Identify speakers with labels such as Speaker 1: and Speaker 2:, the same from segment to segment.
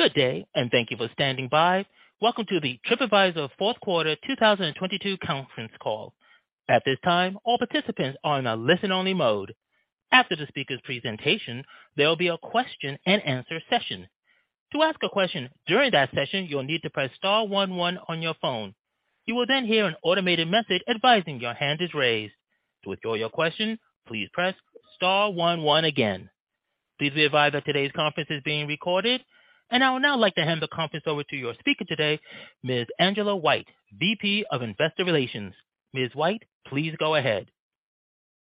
Speaker 1: Good day, and thank you for standing by. Welcome to the Tripadvisor Q4 2022 conference call. At this time, all participants are in a listen-only mode. After the speaker's presentation, there will be a question-and-answer session. To ask a question during that session, you'll need to press star 11 on your phone. You will then hear an automated message advising your hand is raised. To withdraw your question, please press star 11 again. Please be advised that today's conference is being recorded. I would now like to hand the conference over to your speaker today, Ms. Angela White, VP of Investor Relations. Ms. White, please go ahead.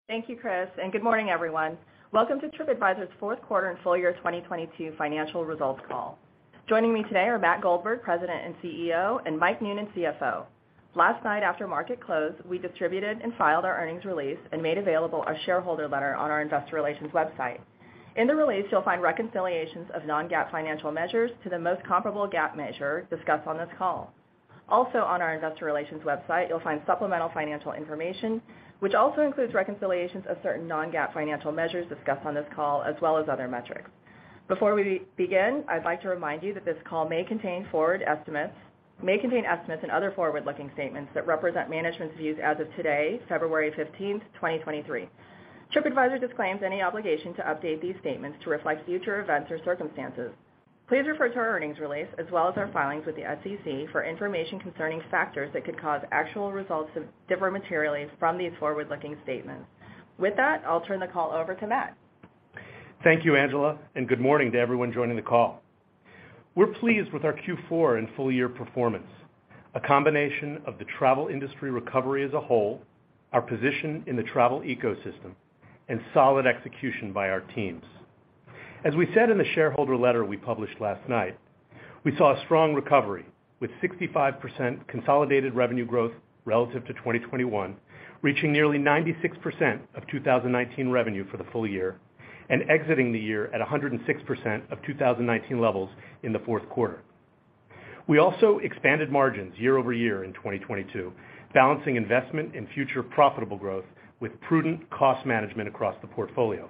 Speaker 2: Thank you, Chris. Good morning, everyone. Welcome to Tripadvisor's Q4 and full year 2022 financial results call. Joining me today are Matt Goldberg, President and CEO, and Mike Noonan, CFO. Last night, after market close, we distributed and filed our earnings release and made available our shareholder letter on our investor relations website. In the release, you'll find reconciliations of non-GAAP financial measures to the most comparable GAAP measure discussed on this call. Also on our investor relations website, you'll find supplemental financial information, which also includes reconciliations of certain non-GAAP financial measures discussed on this call, as well as other metrics. Before we begin, I'd like to remind you that this call may contain estimates and other forward-looking statements that represent management's views as of today, February 15th, 2023. Tripadvisor disclaims any obligation to update these statements to reflect future events or circumstances. Please refer to our earnings release, as well as our filings with the SEC for information concerning factors that could cause actual results to differ materially from these forward-looking statements. With that, I'll turn the call over to Matt.
Speaker 3: Thank you, Angela. Good morning to everyone joining the call. We're pleased with our Q4 and full year performance. A combination of the travel industry recovery as a whole, our position in the travel ecosystem, and solid execution by our teams. As we said in the shareholder letter we published last night, we saw a strong recovery, with 65% consolidated revenue growth relative to 2021, reaching nearly 96% of 2019 revenue for the full year and exiting the year at 106% of 2019 levels in the Q4. We also expanded margins year-over-year in 2022, balancing investment in future profitable growth with prudent cost management across the portfolio.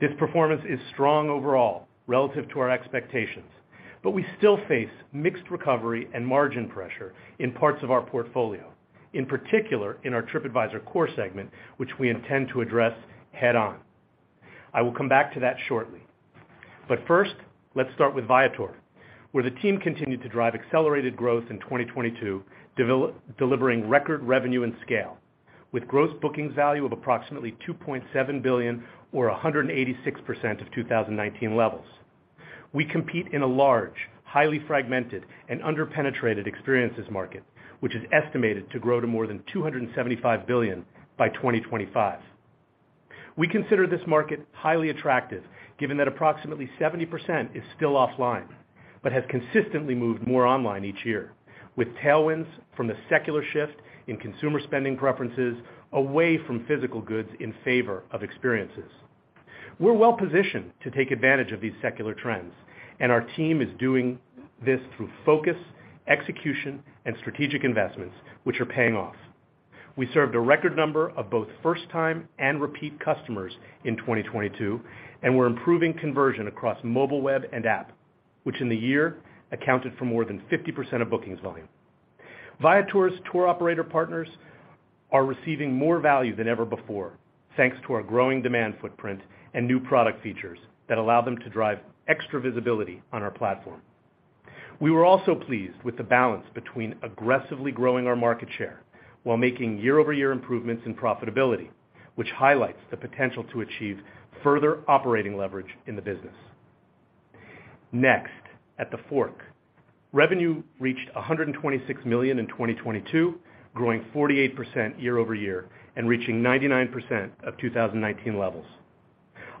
Speaker 3: This performance is strong overall relative to our expectations, we still face mixed recovery and margin pressure in parts of our portfolio, in particular in our Tripadvisor Core segment, which we intend to address head-on. I will come back to that shortly. First, let's start with Viator, where the team continued to drive accelerated growth in 2022, delivering record revenue and scale, with gross bookings value of approximately $2.7 billion or 186% of 2019 levels. We compete in a large, highly fragmented, and under-penetrated experiences market, which is estimated to grow to more than $275 billion by 2025. We consider this market highly attractive, given that approximately 70% is still offline, but has consistently moved more online each year, with tailwinds from the secular shift in consumer spending preferences away from physical goods in favor of experiences. We're well-positioned to take advantage of these secular trends, and our team is doing this through focus, execution, and strategic investments, which are paying off. We served a record number of both first-time and repeat customers in 2022, and we're improving conversion across mobile web and app, which in the year accounted for more than 50% of bookings volume. Viator's tour operator partners are receiving more value than ever before, thanks to our growing demand footprint and new product features that allow them to drive extra visibility on our platform. We were also pleased with the balance between aggressively growing our market share while making year-over-year improvements in profitability, which highlights the potential to achieve further operating leverage in the business. Next, at TheFork. Revenue reached $126 million in 2022, growing 48% year-over-year and reaching 99% of 2019 levels.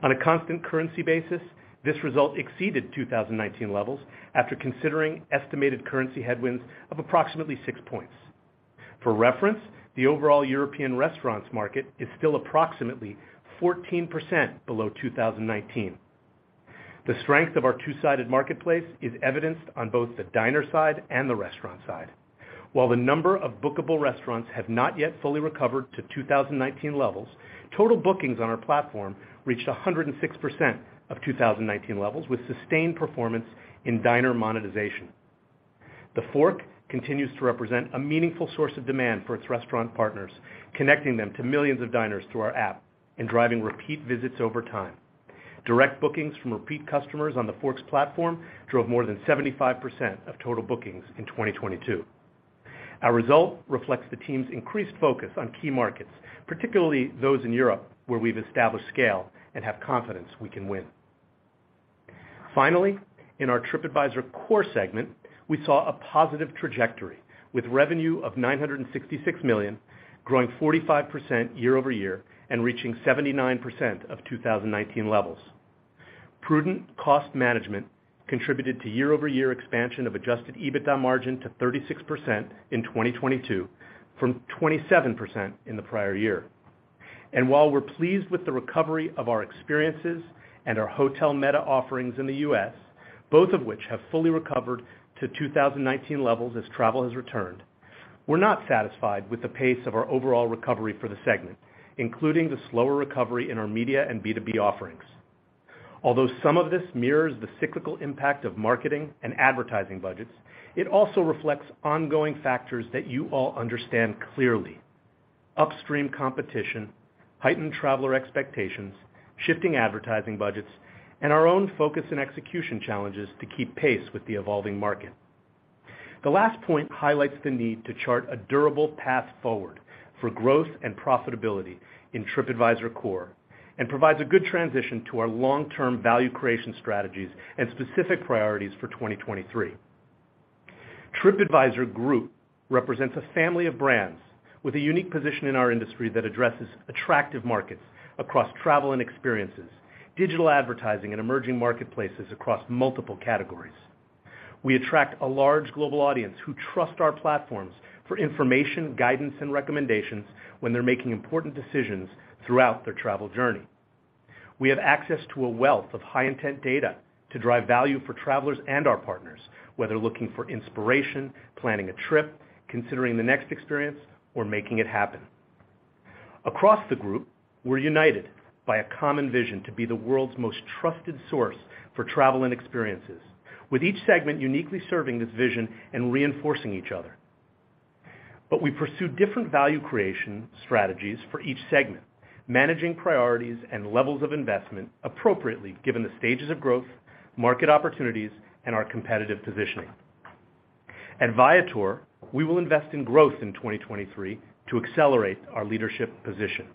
Speaker 3: On a constant currency basis, this result exceeded 2019 levels after considering estimated currency headwinds of approximately 6 points. For reference, the overall European restaurants market is still approximately 14% below 2019. The strength of our two-sided marketplace is evidenced on both the diner side and the restaurant side. While the number of bookable restaurants have not yet fully recovered to 2019 levels, total bookings on our platform reached 106% of 2019 levels, with sustained performance in diner monetization. TheFork continues to represent a meaningful source of demand for its restaurant partners, connecting them to millions of diners through our app and driving repeat visits over time. Direct bookings from repeat customers on TheFork's platform drove more than 75% of total bookings in 2022. Our result reflects the team's increased focus on key markets, particularly those in Europe, where we've established scale and have confidence we can win. In our Tripadvisor Core segment, we saw a positive trajectory, with revenue of $966 million, growing 45% year-over-year and reaching 79% of 2019 levels. Prudent cost management contributed to year-over-year expansion of adjusted EBITDA margin to 36% in 2022 from 27% in the prior year. While we're pleased with the recovery of our experiences and our hotel meta offerings in the U.S., both of which have fully recovered to 2019 levels as travel has returned. We're not satisfied with the pace of our overall recovery for the segment, including the slower recovery in our media and B2B offerings. Some of this mirrors the cyclical impact of marketing and advertising budgets, it also reflects ongoing factors that you all understand clearly: upstream competition, heightened traveler expectations, shifting advertising budgets, and our own focus and execution challenges to keep pace with the evolving market. The last point highlights the need to chart a durable path forward for growth and profitability in Tripadvisor Core and provides a good transition to our long-term value creation strategies and specific priorities for 2023. Tripadvisor Group represents a family of brands with a unique position in our industry that addresses attractive markets across travel and experiences, digital advertising, and emerging marketplaces across multiple categories. We attract a large global audience who trust our platforms for information, guidance, and recommendations when they're making important decisions throughout their travel journey. We have access to a wealth of high-intent data to drive value for travelers and our partners, whether looking for inspiration, planning a trip, considering the next experience, or making it happen. Across the group, we're united by a common vision to be the world's most trusted source for travel and experiences, with each segment uniquely serving this vision and reinforcing each other. We pursue different value creation strategies for each segment, managing priorities and levels of investment appropriately given the stages of growth, market opportunities, and our competitive positioning. At Viator, we will invest in growth in 2023 to accelerate our leadership position.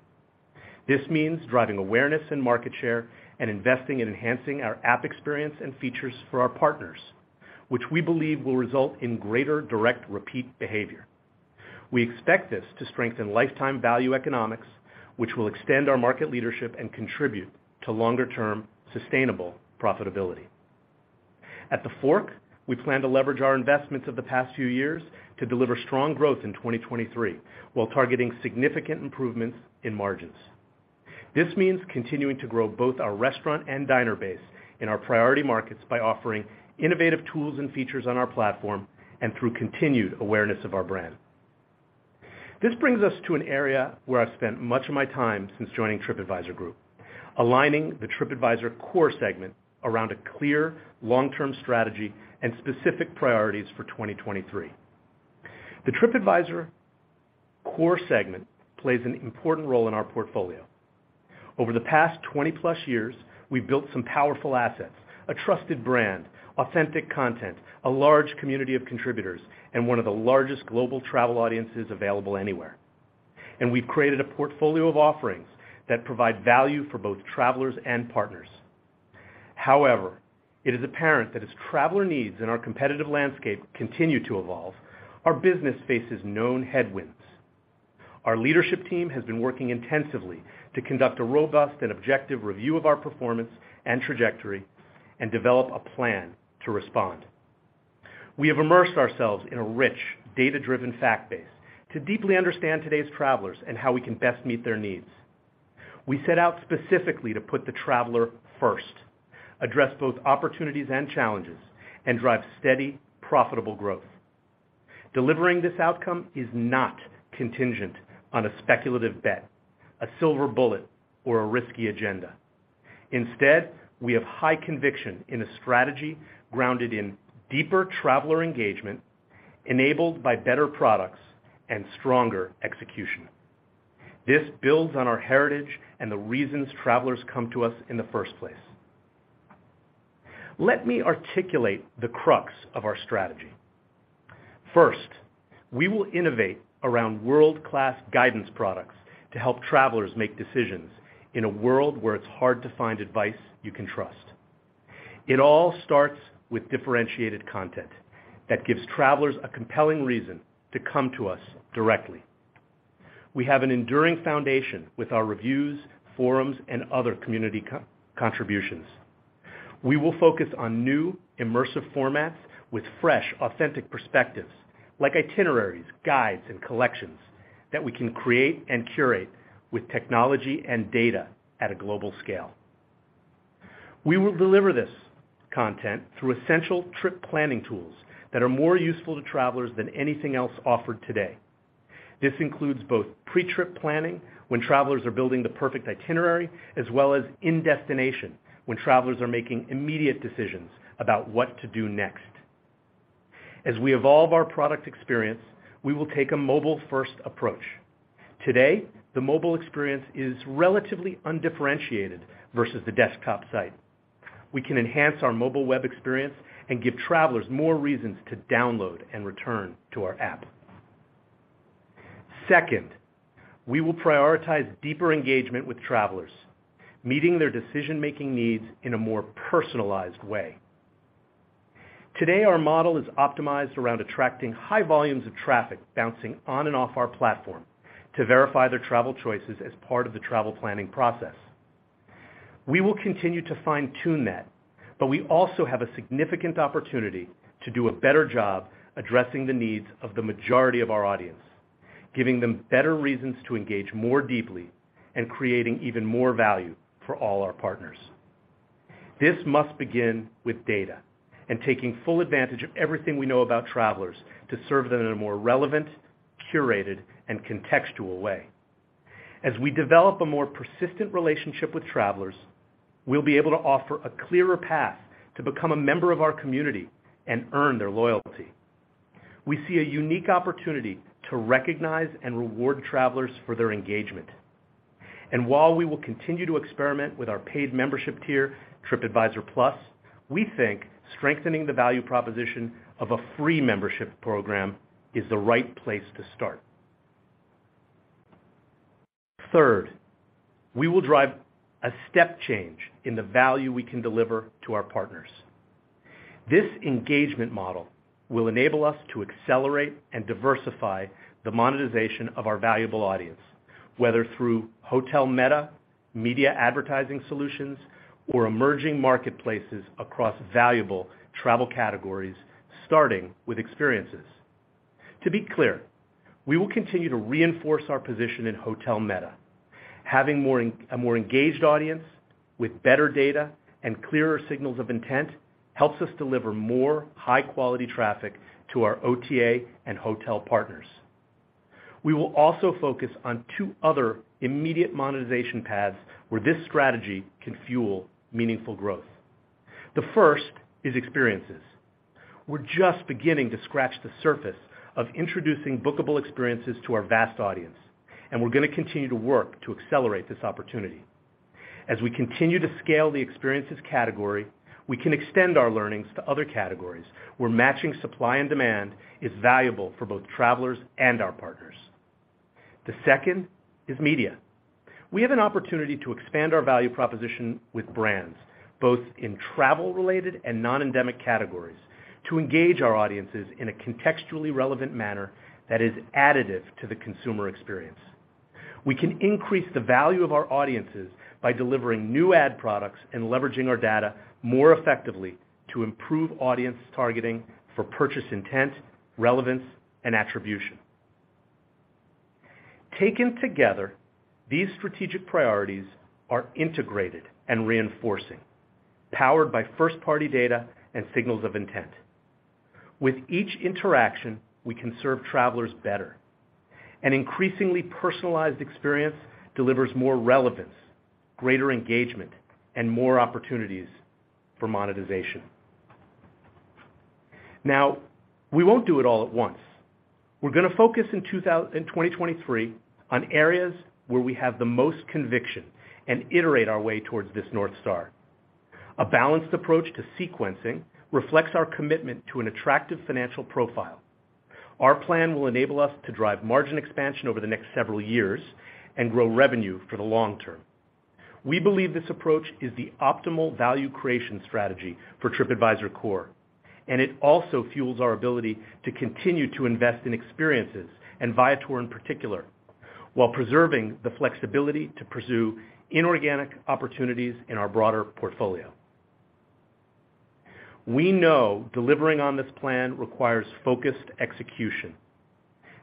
Speaker 3: This means driving awareness and market share and investing in enhancing our app experience and features for our partners, which we believe will result in greater direct repeat behavior. We expect this to strengthen lifetime value economics, which will extend our market leadership and contribute to longer-term sustainable profitability. At TheFork, we plan to leverage our investments of the past few years to deliver strong growth in 2023 while targeting significant improvements in margins. This means continuing to grow both our restaurant and diner base in our priority markets by offering innovative tools and features on our platform and through continued awareness of our brand. This brings us to an area where I've spent much of my time since joining Tripadvisor Group, aligning the Tripadvisor Core segment around a clear long-term strategy and specific priorities for 2023. The Tripadvisor Core segment plays an important role in our portfolio. Over the past 20-plus years, we've built some powerful assets, a trusted brand, authentic content, a large community of contributors, and one of the largest global travel audiences available anywhere. We've created a portfolio of offerings that provide value for both travelers and partners. It is apparent that as traveler needs in our competitive landscape continue to evolve, our business faces known headwinds. Our leadership team has been working intensively to conduct a robust and objective review of our performance and trajectory and develop a plan to respond. We have immersed ourselves in a rich, data-driven fact base to deeply understand today's travelers and how we can best meet their needs. We set out specifically to put the traveler first, address both opportunities and challenges, and drive steady, profitable growth. Delivering this outcome is not contingent on a speculative bet, a silver bullet, or a risky agenda. Instead, we have high conviction in a strategy grounded in deeper traveler engagement, enabled by better products and stronger execution. This builds on our heritage and the reasons travelers come to us in the first place. Let me articulate the crux of our strategy. First, we will innovate around world-class guidance products to help travelers make decisions in a world where it's hard to find advice you can trust. It all starts with differentiated content that gives travelers a compelling reason to come to us directly. We have an enduring foundation with our reviews, forums, and other community co-contributions. We will focus on new immersive formats with fresh, authentic perspectives, like itineraries, guides, and collections that we can create and curate with technology and data at a global scale. We will deliver this content through essential trip planning tools that are more useful to travelers than anything else offered today. This includes both pre-trip planning, when travelers are building the perfect itinerary, as well as in destination, when travelers are making immediate decisions about what to do next. As we evolve our product experience, we will take a mobile-first approach. Today, the mobile experience is relatively undifferentiated versus the desktop site. We can enhance our mobile web experience and give travelers more reasons to download and return to our app. Second, we will prioritize deeper engagement with travelers, meeting their decision-making needs in a more personalized way. Today, our model is optimized around attracting high volumes of traffic bouncing on and off our platform to verify their travel choices as part of the travel planning process. We will continue to fine-tune that, but we also have a significant opportunity to do a better job addressing the needs of the majority of our audience, giving them better reasons to engage more deeply and creating even more value for all our partners. This must begin with data and taking full advantage of everything we know about travelers to serve them in a more relevant, curated, and contextual way. As we develop a more persistent relationship with travelers, we'll be able to offer a clearer path to become a member of our community and earn their loyalty. We see a unique opportunity to recognize and reward travelers for their engagement. While we will continue to experiment with our paid membership tier, Tripadvisor Plus, we think strengthening the value proposition of a free membership program is the right place to start. Third, we will drive a step change in the value we can deliver to our partners. This engagement model will enable us to accelerate and diversify the monetization of our valuable audience, whether through hotel meta, media advertising solutions, or emerging marketplaces across valuable travel categories, starting with experiences. To be clear, we will continue to reinforce our position in hotel meta. Having a more engaged audience with better data and clearer signals of intent helps us deliver more high-quality traffic to our OTA and hotel partners. We will also focus on two other immediate monetization paths where this strategy can fuel meaningful growth. The first is experiences. We're just beginning to scratch the surface of introducing bookable experiences to our vast audience, and we're going to continue to work to accelerate this opportunity. As we continue to scale the experiences category, we can extend our learnings to other categories where matching supply and demand is valuable for both travelers and our partners. The second is media. We have an opportunity to expand our value proposition with brands, both in travel-related and non-endemic categories, to engage our audiences in a contextually relevant manner that is additive to the consumer experience. We can increase the value of our audiences by delivering new ad products and leveraging our data more effectively to improve audience targeting for purchase intent, relevance, and attribution. Taken together, these strategic priorities are integrated and reinforcing, powered by first-party data and signals of intent. With each interaction, we can serve travelers better. An increasingly personalized experience delivers more relevance, greater engagement, and more opportunities for monetization. We won't do it all at once. We're going to focus in 2023 on areas where we have the most conviction and iterate our way towards this North Star. A balanced approach to sequencing reflects our commitment to an attractive financial profile. Our plan will enable us to drive margin expansion over the next several years and grow revenue for the long term. We believe this approach is the optimal value creation strategy for Tripadvisor Core, and it also fuels our ability to continue to invest in experiences, and Viator in particular, while preserving the flexibility to pursue inorganic opportunities in our broader portfolio. We know delivering on this plan requires focused execution.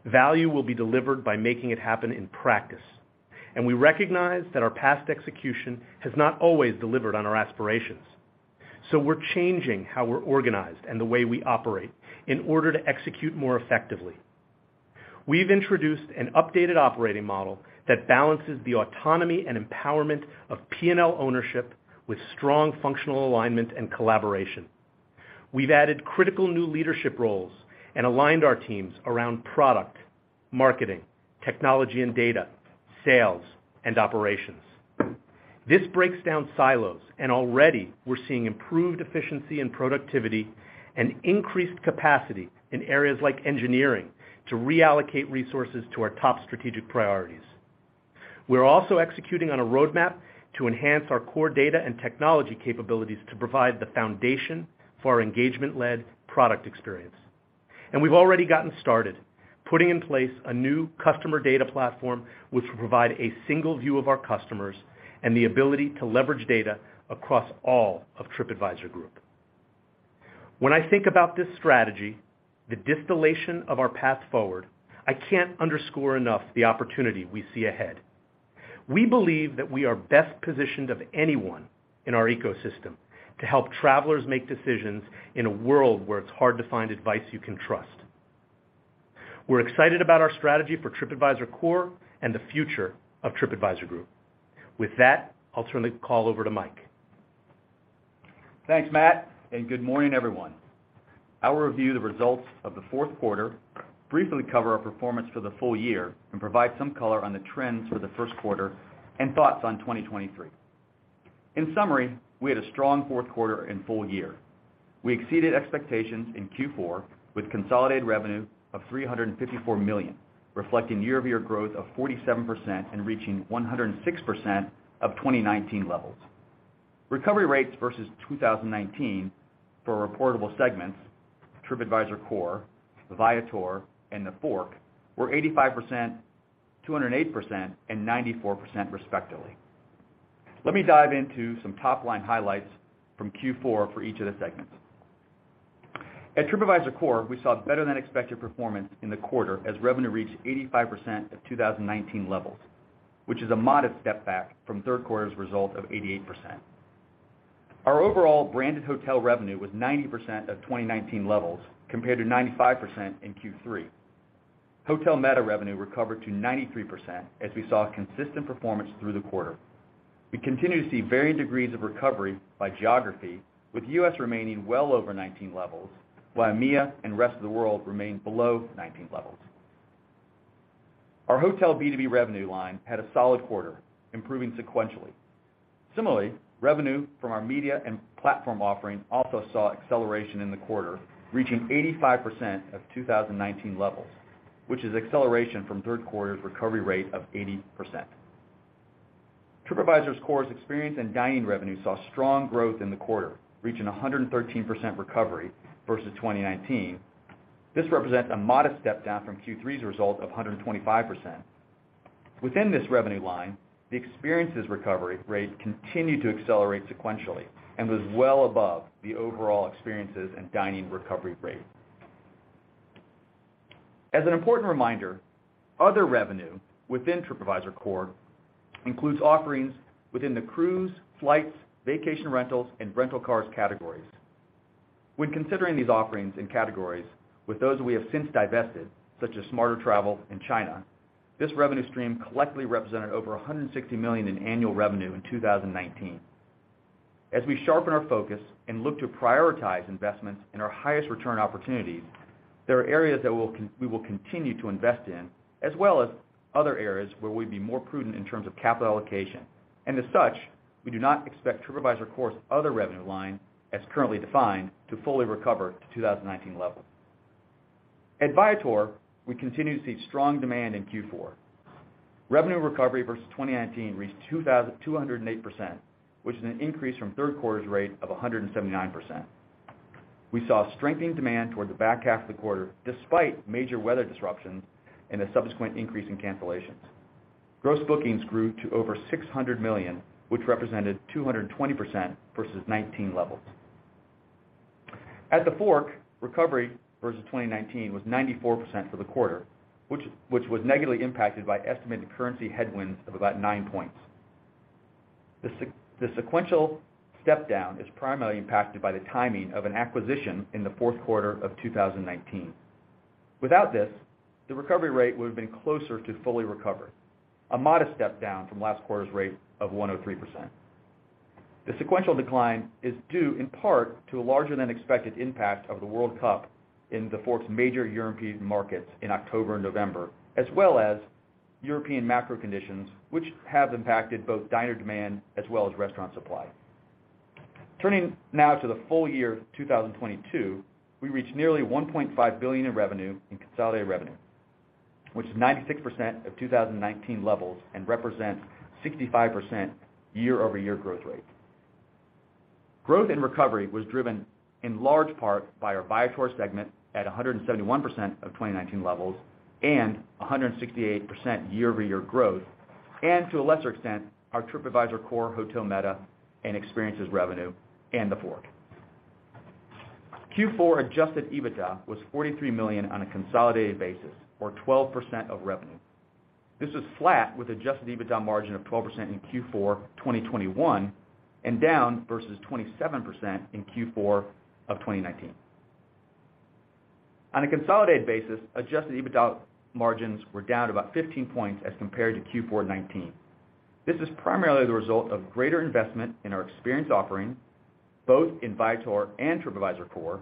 Speaker 3: Value will be delivered by making it happen in practice, and we recognize that our past execution has not always delivered on our aspirations, so we're changing how we're organized and the way we operate in order to execute more effectively. We've introduced an updated operating model that balances the autonomy and empowerment of P&L ownership with strong functional alignment and collaboration. We've added critical new leadership roles and aligned our teams around product, marketing, technology and data, sales, and operations. This breaks down silos, and already we're seeing improved efficiency and productivity and increased capacity in areas like engineering to reallocate resources to our top strategic priorities. We're also executing on a roadmap to enhance our core data and technology capabilities to provide the foundation for our engagement-led product experience. We've already gotten started, putting in place a new customer data platform which will provide a single view of our customers and the ability to leverage data across all of Tripadvisor Group. When I think about this strategy, the distillation of our path forward, I can't underscore enough the opportunity we see ahead. We believe that we are best positioned of anyone in our ecosystem to help travelers make decisions in a world where it's hard to find advice you can trust. We're excited about our strategy for Tripadvisor Core and the future of Tripadvisor Group. With that, I'll turn the call over to Mike.
Speaker 4: Thanks, Matt. Good morning, everyone. I will review the results of the Q4, briefly cover our performance for the full year, and provide some color on the trends for the Q1 and thoughts on 2023. In summary, we had a strong Q4 and full year. We exceeded expectations in Q4 with consolidated revenue of $354 million, reflecting year-over-year growth of 47% and reaching 106% of 2019 levels. Recovery rates versus 2019 for reportable segments, Tripadvisor Core, Viator, and TheFork, were 85%, 208%, and 94% respectively. Let me dive into some top-line highlights from Q4 for each of the segments. At Tripadvisor Core, we saw better than expected performance in the quarter as revenue reached 85% of 2019 levels, which is a modest step back from third quarter's result of 88%. Our overall branded hotel revenue was 90% of 2019 levels compared to 95% in Q3. hotel meta revenue recovered to 93% as we saw consistent performance through the quarter. We continue to see varying degrees of recovery by geography, with U.S. remaining well over 19 levels, while EMEA and rest of the world remain below 19 levels. Our hotel B2B revenue line had a solid quarter, improving sequentially. Similarly, revenue from our media and platform offering also saw acceleration in the quarter, reaching 85% of 2019 levels, which is acceleration from third quarter's recovery rate of 80%. Tripadvisor Core's experience and dining revenue saw strong growth in the quarter, reaching 113% recovery versus 2019. This represents a modest step down from Q3's result of 125%. Within this revenue line, the experiences recovery rate continued to accelerate sequentially and was well above the overall experiences and dining recovery rate. As an important reminder, other revenue within Tripadvisor Core includes offerings within the cruise, flights, vacation rentals, and rental cars categories. When considering these offerings and categories with those we have since divested, such as Smarter Travel in China, this revenue stream collectively represented over $160 million in annual revenue in 2019. We sharpen our focus and look to prioritize investments in our highest return opportunities, there are areas that we will continue to invest in, as well as other areas where we'll be more prudent in terms of capital allocation. As such, we do not expect Tripadvisor Core's other revenue line as currently defined, to fully recover to 2019 levels. At Viator, we continue to see strong demand in Q4. Revenue recovery versus 2019 reached 2,208%, which is an increase from third quarter's rate of 179%. We saw strengthening demand toward the back half of the quarter, despite major weather disruptions and a subsequent increase in cancellations. Gross bookings grew to over $600 million, which represented 220% versus 2019 levels. At TheFork, recovery versus 2019 was 94% for the quarter, which was negatively impacted by estimated currency headwinds of about nine points. The sequential step down is primarily impacted by the timing of an acquisition in the Q4 of 2019. Without this, the recovery rate would have been closer to fully recovered, a modest step down from last quarter's rate of 103%. The sequential decline is due in part to a larger than expected impact of the World Cup in TheFork's major European markets in October and November, as well as European macro conditions, which have impacted both diner demand as well as restaurant supply. Turning now to the full year 2022, we reached nearly $1.5 billion in revenue in consolidated revenue, which is 96% of 2019 levels and represents 65% year-over-year growth rate. Growth and recovery was driven in large part by our Viator segment at 171% of 2019 levels and 168% year-over-year growth. To a lesser extent, our Tripadvisor Core hotel meta and experiences revenue and TheFork. Q4 adjusted EBITDA was $43 million on a consolidated basis or 12% of revenue. This was flat with adjusted EBITDA margin of 12% in Q4 2021, and down versus 27% in Q4 2019. On a consolidated basis, adjusted EBITDA margins were down about 15 points as compared to Q4 2019. This is primarily the result of greater investment in our experience offering, both in Viator and Tripadvisor Core,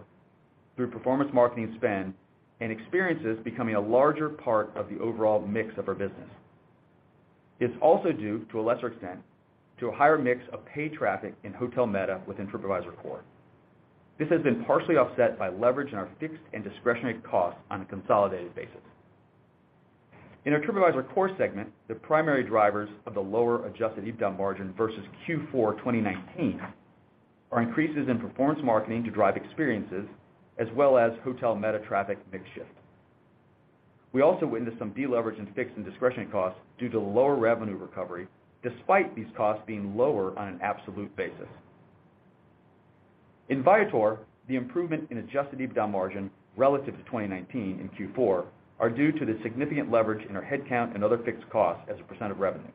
Speaker 4: through performance marketing spend and experiences becoming a larger part of the overall mix of our business. It's also due, to a lesser extent, to a higher mix of paid traffic in hotel meta within Tripadvisor Core. This has been partially offset by leverage in our fixed and discretionary costs on a consolidated basis. In our Tripadvisor Core segment, the primary drivers of the lower adjusted EBITDA margin versus Q4 2019 are increases in performance marketing to drive experiences as well as hotel meta traffic mix shift. We also witnessed some deleverage in fixed and discretionary costs due to lower revenue recovery, despite these costs being lower on an absolute basis. In Viator, the improvement in adjusted EBITDA margin relative to 2019 in Q4 are due to the significant leverage in our headcount and other fixed costs as a % of revenue,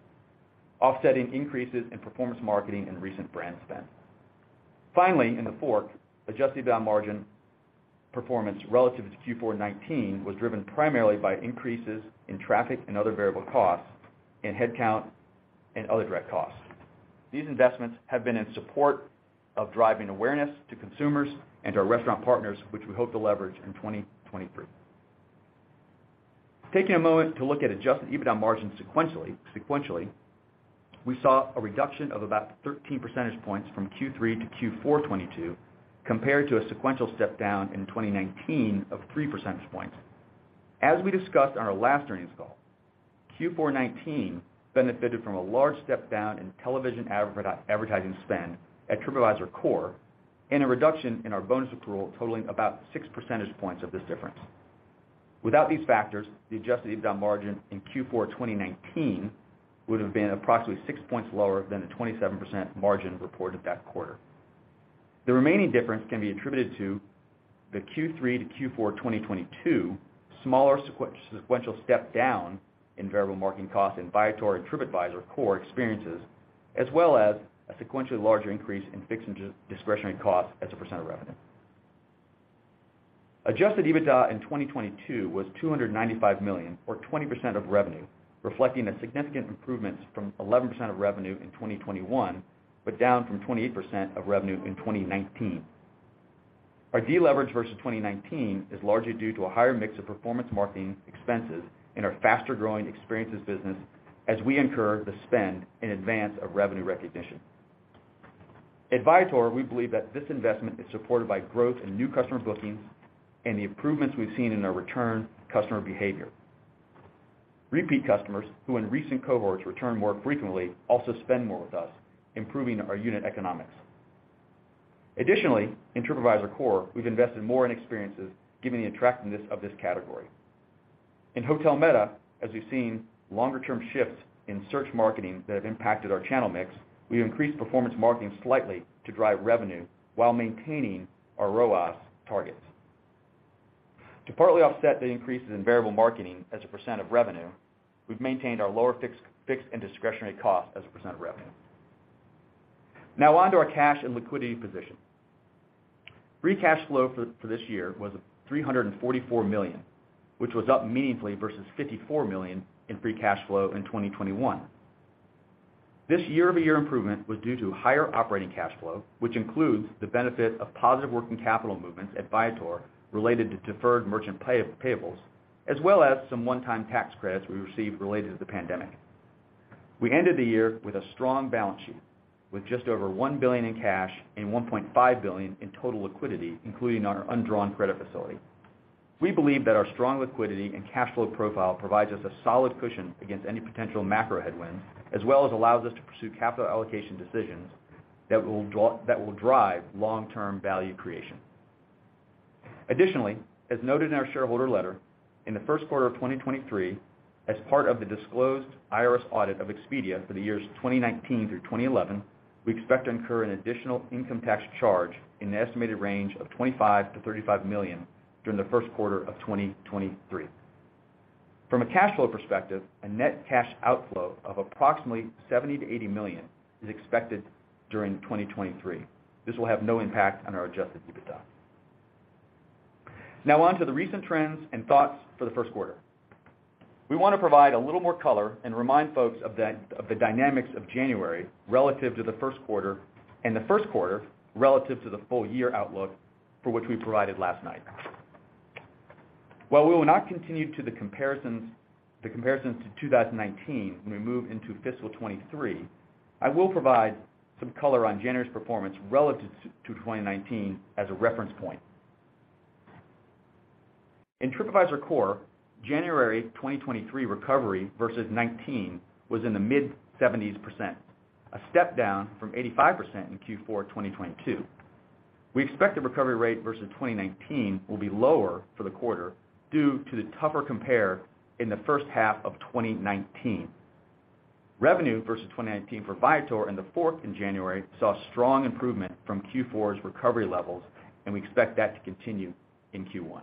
Speaker 4: offsetting increases in performance marketing and recent brand spend. Finally, in TheFork, adjusted EBITDA margin performance relative to Q4 2019 was driven primarily by increases in traffic and other variable costs and headcount and other direct costs. These investments have been in support of driving awareness to consumers and to our restaurant partners, which we hope to leverage in 2023. Taking a moment to look at adjusted EBITDA margin sequentially, we saw a reduction of about 13 percentage points from Q3 to Q4 2022 compared to a sequential step down in 2019 of three percentage points. As we discussed on our last earnings call, Q4 2019 benefited from a large step down in television advertising spend at Tripadvisor Core and a reduction in our bonus accrual totaling about six percentage points of this difference. Without these factors, the adjusted EBITDA margin in Q4 2019 would have been approximately six points lower than the 27% margin reported that quarter. The remaining difference can be attributed to the Q3 to Q4 2022 smaller sequential step down in variable marketing costs in Viator and Tripadvisor Core experiences, as well as a sequentially larger increase in fixed and discretionary costs as a percentage of revenue. Adjusted EBITDA in 2022 was $295 million or 20% of revenue, reflecting a significant improvement from 11% of revenue in 2021, but down from 28% of revenue in 2019. Our deleverage versus 2019 is largely due to a higher mix of performance marketing expenses in our faster-growing experiences business as we incur the spend in advance of revenue recognition. At Viator, we believe that this investment is supported by growth in new customer bookings and the improvements we've seen in our return customer behavior. Repeat customers who in recent cohorts return more frequently also spend more with us, improving our unit economics. Additionally, in Tripadvisor Core, we've invested more in experiences given the attractiveness of this category. In hotel meta, as we've seen longer-term shifts in search marketing that have impacted our channel mix, we increased performance marketing slightly to drive revenue while maintaining our ROAS targets. To partly offset the increases in variable marketing as a percentage of revenue, we've maintained our lower fixed and discretionary costs as a percentage of revenue. On to our cash and liquidity position. Free cash flow for this year was $344 million, which was up meaningfully versus $54 million in free cash flow in 2021. This year-over-year improvement was due to higher operating cash flow, which includes the benefit of positive working capital movements at Viator related to deferred merchant payables, as well as some one-time tax credits we received related to the pandemic. We ended the year with a strong balance sheet, with just over $1 billion in cash and $1.5 billion in total liquidity, including our undrawn credit facility. We believe that our strong liquidity and cash flow profile provides us a solid cushion against any potential macro headwinds, as well as allows us to pursue capital allocation decisions that will drive long-term value creation. Additionally, as noted in our shareholder letter, in the Q1 of 2023, as part of the disclosed IRS audit of Expedia for the years 2019 through 2011, we expect to incur an additional income tax charge in the estimated range of $25 -$35 million during the Q1 of 2023. From a cash flow perspective, a net cash outflow of approximately $70 -$80 million is expected during 2023. This will have no impact on our adjusted EBITDA. On to the recent trends and thoughts for the Q1. We want to provide a little more color and remind folks of the dynamics of January relative to the Q1, and the Q1 relative to the full year outlook for which we provided last night. While we will not continue to the comparisons to 2019 when we move into fiscal 2023, I will provide some color on January's performance relative to 2019 as a reference point. In Tripadvisor Core, January 2023 recovery versus 2019 was in the mid-70%, a step down from 85% in Q4 2022. We expect the recovery rate versus 2019 will be lower for the quarter due to the tougher compare in the first half of 2019. Revenue versus 2019 for Viator in the fourth in January saw strong improvement from Q4's recovery levels. We expect that to continue in Q1.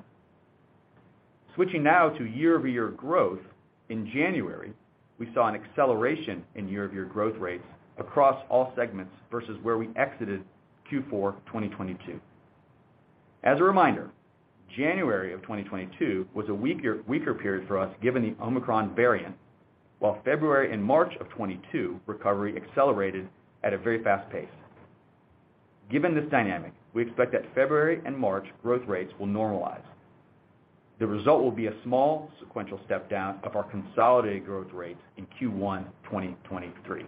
Speaker 4: Switching now to year-over-year growth, in January, we saw an acceleration in year-over-year growth rates across all segments versus where we exited Q4 2022. As a reminder, January of 2022 was a weaker period for us given the Omicron variant, while February and March of 2022 recovery accelerated at a very fast pace. Given this dynamic, we expect that February and March growth rates will normalize. The result will be a small sequential step down of our consolidated growth rates in Q1 2023.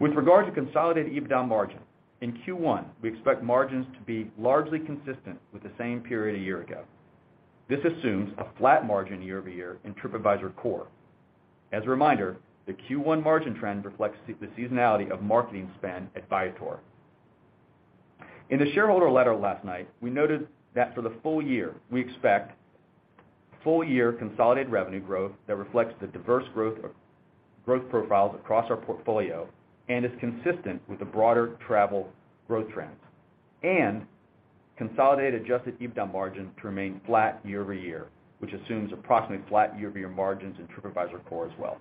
Speaker 4: With regard to consolidated EBITDA margin, in Q1, we expect margins to be largely consistent with the same period a year ago. This assumes a flat margin year-over-year in Tripadvisor Core. As a reminder, the Q1 margin trend reflects the seasonality of marketing spend at Viator. In the shareholder letter last night, we noted that for the full year, we expect full-year consolidated revenue growth that reflects the diverse growth profiles across our portfolio and is consistent with the broader travel growth trends, and consolidated adjusted EBITDA margin to remain flat year-over-year, which assumes approximately flat year-over-year margins in Tripadvisor Core as well.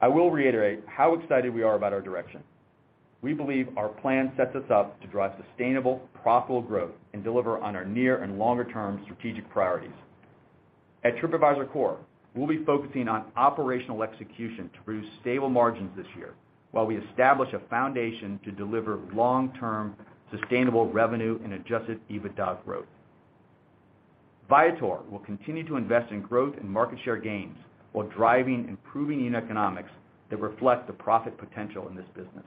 Speaker 4: I will reiterate how excited we are about our direction. We believe our plan sets us up to drive sustainable, profitable growth and deliver on our near and longer-term strategic priorities. At Tripadvisor Core, we'll be focusing on operational execution to produce stable margins this year while we establish a foundation to deliver long-term sustainable revenue and adjusted EBITDA growth. Viator will continue to invest in growth and market share gains while driving improving unit economics that reflect the profit potential in this business.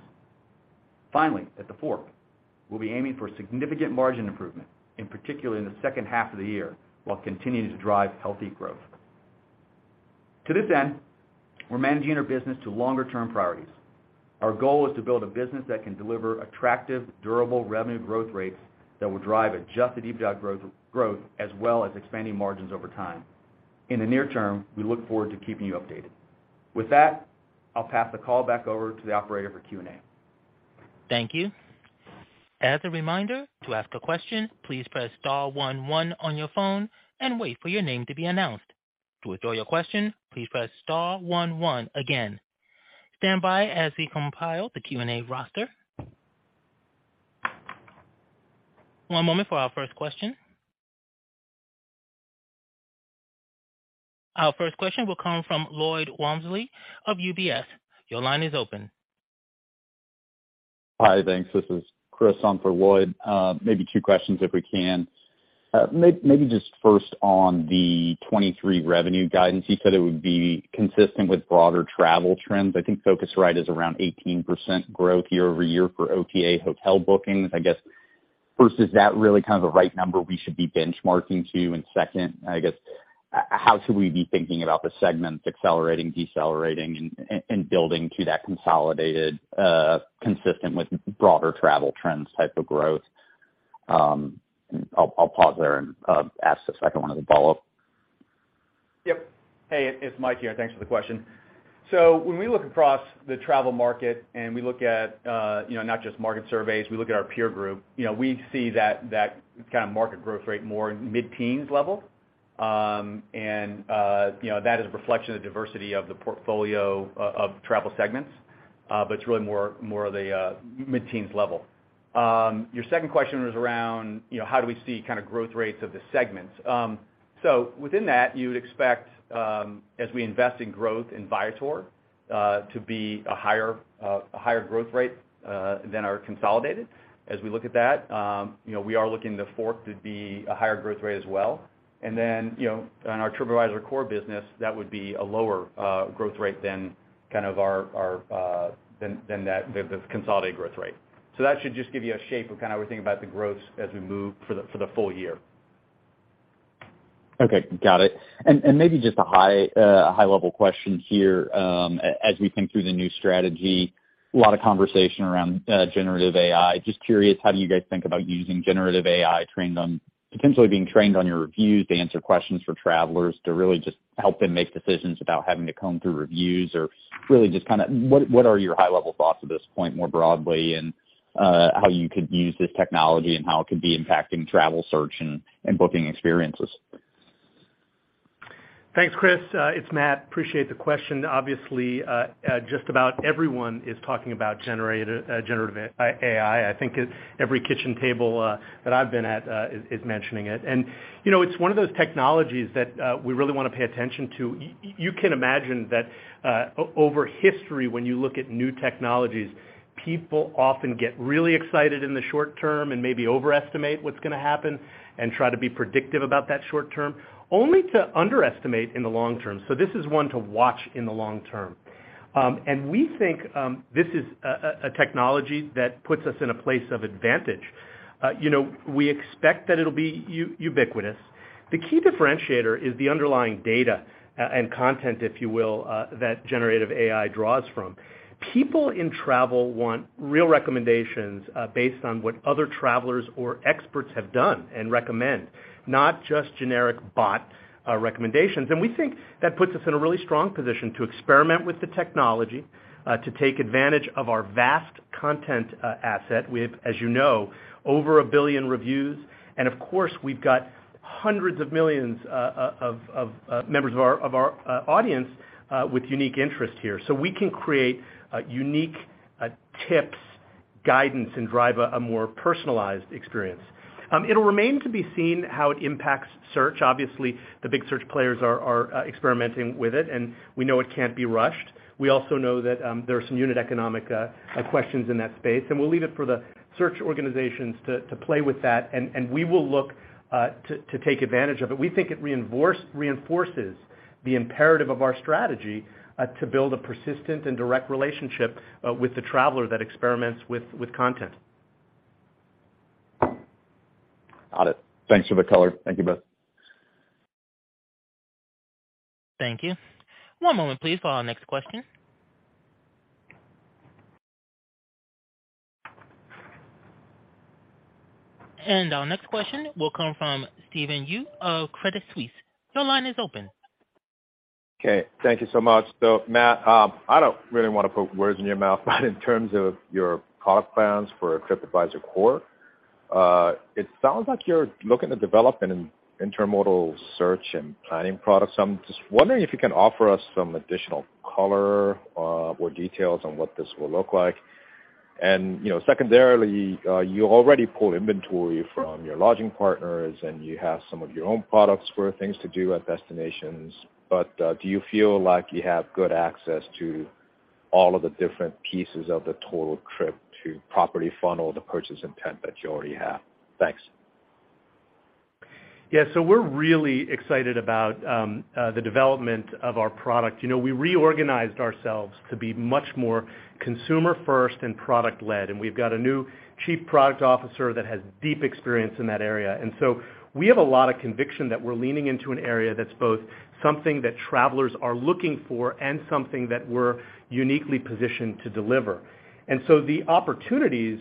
Speaker 4: Finally, at TheFork, we'll be aiming for significant margin improvement, in particular in the second half of the year, while continuing to drive healthy growth.
Speaker 3: To this end, we're managing our business to longer term priorities. Our goal is to build a business that can deliver attractive, durable revenue growth rates that will drive adjusted EBITDA growth as well as expanding margins over time. In the near term, we look forward to keeping you updated. I'll pass the call back over to the operator for Q&A.
Speaker 1: Thank you. As a reminder, to ask a question, please press star one, one on your phone and wait for your name to be announced. To withdraw your question, please press star one, one again. Stand by as we compile the Q&A roster. One moment for our first question. Our first question will come from Lloyd Walmsley of UBS. Your line is open.
Speaker 5: Hi. Thanks. This is Chris on for Lloyd. Maybe two questions if we can. Maybe just first on the 23 revenue guidance. You said it would be consistent with broader travel trends. I think Phocuswright is around 18% growth year-over-year for OTA hotel bookings. I guess, first, is that really kind of a right number we should be benchmarking to? Second, I guess, how should we be thinking about the segments accelerating, decelerating and building to that consolidated consistent with broader travel trends type of growth? I'll pause there and ask the second one as a follow-up.
Speaker 3: Yep. Hey, it's Mike here. Thanks for the question. When we look across the travel market, and we look at, you know, not just market surveys, we look at our peer group, you know, we see that kind of market growth rate more mid-teens level. You know, that is a reflection of the diversity of the portfolio of travel segments, but it's really more of a mid-teens level. Your second question was around, you know, how do we see kind of growth rates of the segments? Within that, you'd expect, as we invest in growth in Viator, to be a higher growth rate than our consolidated. As we look at that, you know, we are looking TheFork to be a higher growth rate as well. You know, on our Tripadvisor Core business, that would be a lower growth rate than kind of our, than that the consolidated growth rate. That should just give you a shape of kind of how we think about the growth as we move for the full year.
Speaker 5: Okay. Got it. Maybe just a high-level question here, as we think through the new strategy, a lot of conversation around generative AI. Just curious, how do you guys think about using generative AI trained on potentially being trained on your reviews to answer questions for travelers to really just help them make decisions without having to comb through reviews? Really just kind of what are your high-level thoughts at this point more broadly, and how you could use this technology and how it could be impacting travel search and booking experiences?
Speaker 3: Thanks, Chris. It's Matt. Appreciate the question. Just about everyone is talking about generative AI. I think every kitchen table that I've been at is mentioning it. You know, it's one of those technologies that we really want to pay attention to. You can imagine that over history, when you look at new technologies, people often get really excited in the short term and maybe overestimate what's going to happen and try to be predictive about that short term, only to underestimate in the long term. This is one to watch in the long term. We think this is a technology that puts us in a place of advantage. You know, we expect that it'll be ubiquitous. The key differentiator is the underlying data and content, if you will, that generative AI draws from. People in travel want real recommendations based on what other travelers or experts have done and recommend, not just generic bot recommendations. We think that puts us in a really strong position to experiment with the technology to take advantage of our vast content asset. We have, as you know, over 1 billion reviews, and of course, we've got hundreds of millions of members of our audience with unique interest here. We can create unique tips, guidance, and drive a more personalized experience. It'll remain to be seen how it impacts search. Obviously, the big search players are experimenting with it, and we know it can't be rushed. We also know that there are some unit economic questions in that space, and we'll leave it for the search organizations to play with that. We will look to take advantage of it. We think it reinforces the imperative of our strategy to build a persistent and direct relationship with the traveler that experiments with content.
Speaker 5: Got it. Thanks for the color. Thank you both.
Speaker 1: Thank you. One moment, please, for our next question. Our next question will come from Stephen Ju of Credit Suisse. Your line is open.
Speaker 6: Okay. Thank you so much. Matt, I don't really want to put words in your mouth, but in terms of your product plans for Tripadvisor Core, it sounds like you're looking to develop an intermodal search and planning product. I'm just wondering if you can offer us some additional color or details on what this will look like. You know, secondarily, you already pull inventory from your lodging partners, and you have some of your own products for things to do at destinations, do you feel like you have good access to all of the different pieces of the total trip to properly funnel the purchase intent that you already have? Thanks.
Speaker 3: Yeah. We're really excited about the development of our product. You know, we reorganized ourselves to be much more consumer-first and product-led, and we've got a new chief product officer that has deep experience in that area. We have a lot of conviction that we're leaning into an area that's both something that travelers are looking for and something that we're uniquely positioned to deliver. The opportunities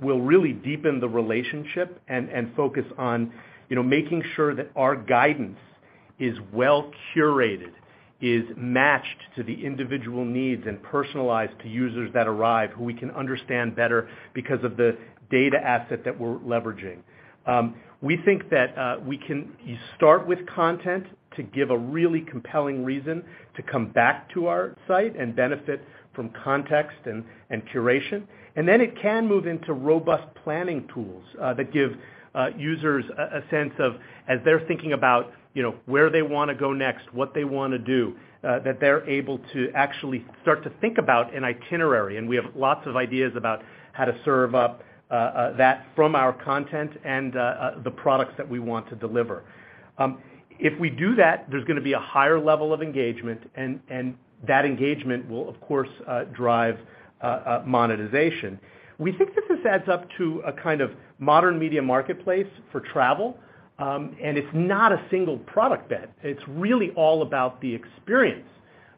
Speaker 3: will really deepen the relationship and focus on, you know, making sure that our guidance is well curated, is matched to the individual needs, and personalized to users that arrive, who we can understand better because of the data asset that we're leveraging. We think that we can start with content to give a really compelling reason to come back to our site and benefit from context and curation. It can move into robust planning tools that give users a sense of, as they're thinking about, you know, where they want to go next, what they want to do, that they're able to actually start to think about an itinerary. We have lots of ideas about how to serve up that from our content and the products that we want to deliver. If we do that, there's going to be a higher level of engagement, and that engagement will of course drive monetization. We think that this adds up to a kind of modern media marketplace for travel. It's not a single product bet. It's really all about the experience,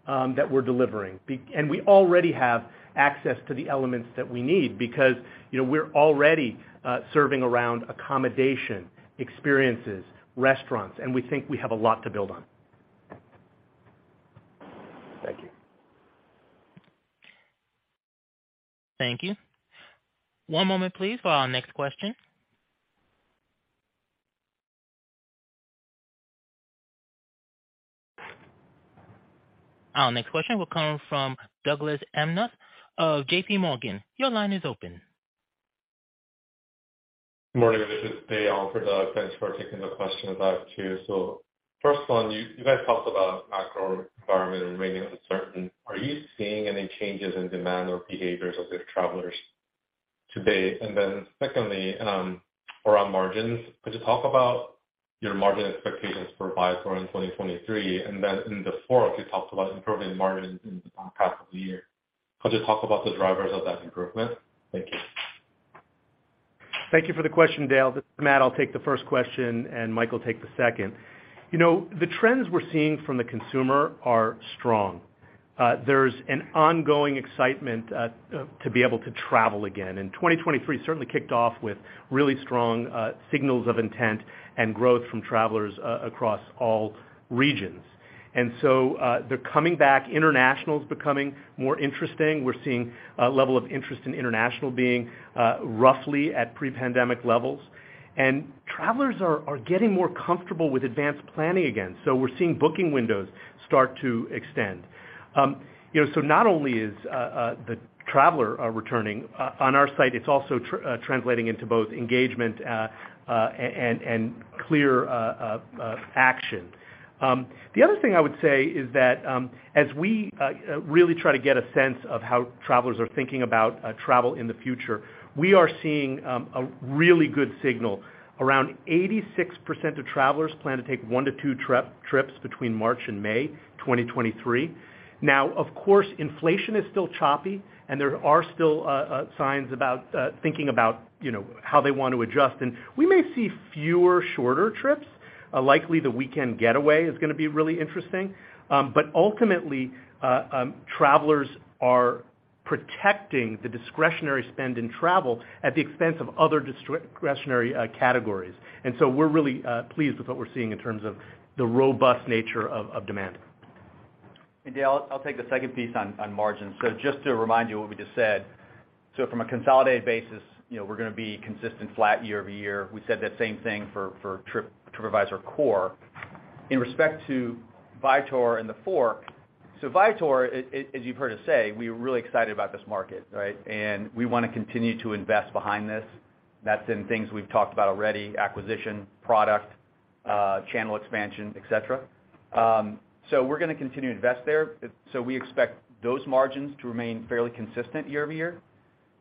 Speaker 3: that we're delivering. We already have access to the elements that we need because, you know, we're already serving around accommodation, experiences, restaurants, and we think we have a lot to build on.
Speaker 6: Thank you.
Speaker 1: Thank you. One moment please for our next question. Our next question will come from Douglas Anmuth of JPMorgan. Your line is open.
Speaker 7: Morning. This is Dale. Thanks for taking the question. I have two. First one, you guys talked about macro environment remaining uncertain. Are you seeing any changes in demand or behaviors of the travelers to date? Secondly, around margins, could you talk about your margin expectations for Viator in 2023? In the fourth, you talked about improving margin in the past year. Could you talk about the drivers of that improvement? Thank you.
Speaker 3: Thank you for the question, Dale. This is Matt. I'll take the first question, and Mike will take the second. You know, the trends we're seeing from the consumer are strong. There's an ongoing excitement to be able to travel again. 2023 certainly kicked off with really strong signals of intent and growth from travelers across all regions. They're coming back. International is becoming more interesting. We're seeing a level of interest in international being roughly at pre-pandemic levels. Travelers are getting more comfortable with advanced planning again, so we're seeing booking windows start to extend. You know, so not only is the traveler returning on our site, it's also translating into both engagement and clear action. The other thing I would say is that as we really try to get a sense of how travelers are thinking about travel in the future, we are seeing a really good signal. Around 86% of travelers plan to take one to two trips between March and May 2023. Of course, inflation is still choppy, and there are still signs about thinking about, you know, how they want to adjust. We may see fewer shorter trips. Likely the weekend getaway is going to be really interesting. Ultimately, travelers are protecting the discretionary spend in travel at the expense of other discretionary categories. We're really pleased with what we're seeing in terms of the robust nature of demand.
Speaker 4: Dale, I'll take the second piece on margin. Just to remind you what we just said. From a consolidated basis, you know, we're going to be consistent flat year-over-year. We said that same thing for Tripadvisor Core. In respect to Viator and TheFork. Viator, as you've heard us say, we are really excited about this market, right? We want to continue to invest behind this. That's in things we've talked about already, acquisition, product, channel expansion, et cetera. We're going to continue to invest there. We expect those margins to remain fairly consistent year-over-year.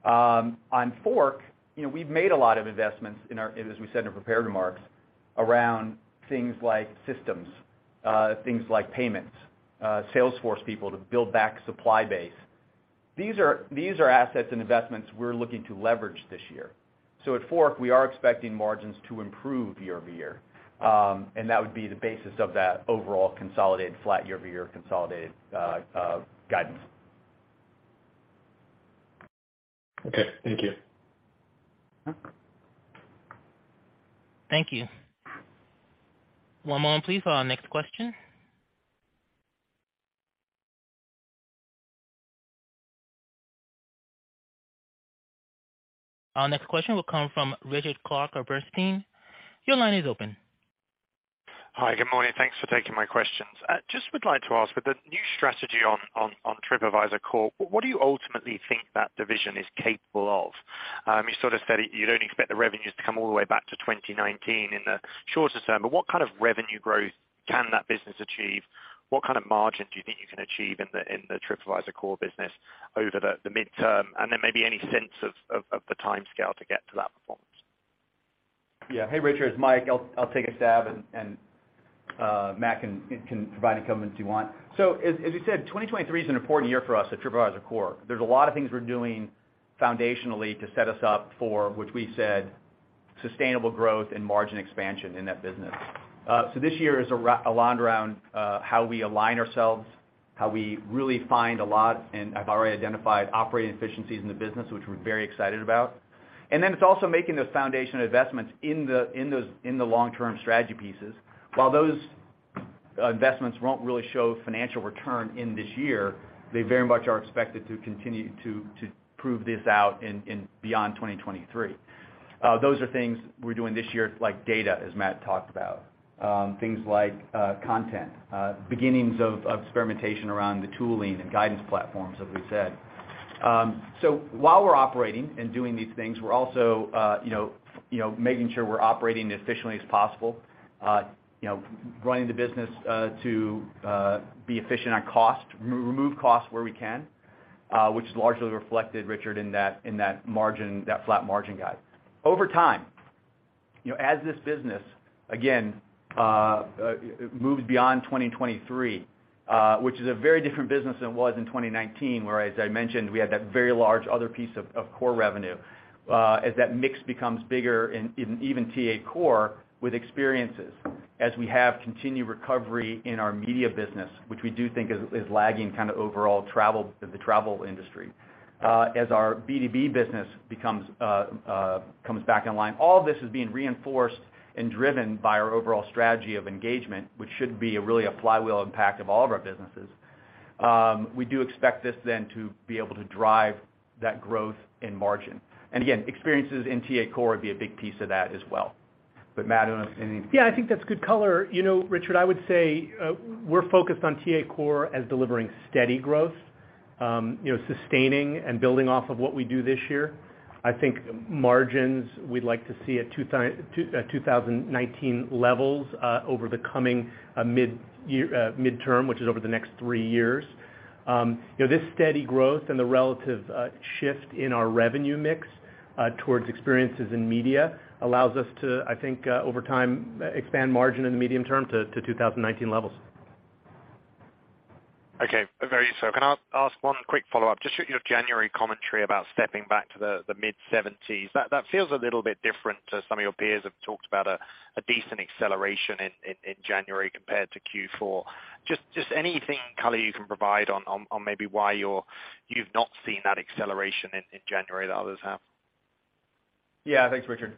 Speaker 4: On TheFork, you know, we've made a lot of investments as we said in our prepared remarks, around things like systems, things like payments, sales force people to build back supply base. These are assets and investments we're looking to leverage this year. At TheFork, we are expecting margins to improve year-over-year. That would be the basis of that overall consolidated flat year-over-year consolidated guidance.
Speaker 7: Okay, thank you.
Speaker 1: Thank you. One moment, please, for our next question. Our next question will come from Richard Clarke of Bernstein. Your line is open.
Speaker 8: Hi. Good morning. Thanks for taking my questions. Just would like to ask, with the new strategy on Tripadvisor Core, what do you ultimately think that division is capable of? You sort of said you'd only expect the revenues to come all the way back to 2019 in the shorter term, but what kind of revenue growth can that business achieve? What kind of margin do you think you can achieve in the Tripadvisor Core business over the midterm? Then maybe any sense of the timescale to get to that performance?
Speaker 4: Yeah. Hey, Richard, it's Mike. I'll take a stab and Matt can provide any comments you want. As you said, 2023 is an important year for us at Tripadvisor Core. There's a lot of things we're doing foundationally to set us up for which we said sustainable growth and margin expansion in that business. This year is a lot around how we align ourselves, how we really find a lot, and have already identified operating efficiencies in the business, which we're very excited about. It's also making those foundational investments in the, in those, in the long-term strategy pieces. While those investments won't really show financial return in this year, they very much are expected to continue to prove this out beyond 2023. Those are things we're doing this year, like data, as Matt talked about. Things like content, beginnings of experimentation around the tooling and guidance platforms, as we said. While we're operating and doing these things, we're also, you know, making sure we're operating as efficiently as possible, you know, running the business to be efficient on cost, remove costs where we can, which is largely reflected, Richard, in that margin, that flat margin guide. Over time, you know, as this business, again, moves beyond 2023, which is a very different business than it was in 2019, where, as I mentioned, we had that very large other piece of core revenue. As that mix becomes bigger in even Tripadvisor Core with experiences, as we have continued recovery in our media business, which we do think is lagging kind of overall travel, the travel industry. As our B2B business becomes, comes back online, all this is being reinforced and driven by our overall strategy of engagement, which should be really a flywheel impact of all of our businesses. We do expect this to be able to drive that growth in margin. Again, experiences in Tripadvisor Core would be a big piece of that as well. Matt, I don't know if you have anything.
Speaker 3: Yeah, I think that's good color. You know, Richard, I would say, we're focused on Tripadvisor Core as delivering steady growth, you know, sustaining and building off of what we do this year. I think margins we'd like to see at 2019 levels over the coming midyear midterm, which is over the next three years. You know, this steady growth and the relative shift in our revenue mix towards experiences in media allows us to, I think, over time, expand margin in the medium term to 2019 levels.
Speaker 8: Okay. Very so. Can I ask one quick follow-up? Just your January commentary about stepping back to the mid-70s%. That feels a little bit different to some of your peers have talked about a decent acceleration in January compared to Q4. Just anything color you can provide on maybe why you've not seen that acceleration in January that others have.
Speaker 4: Yeah. Thanks, Richard.